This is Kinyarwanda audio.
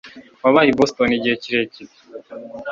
wabaye i boston igihe kirekire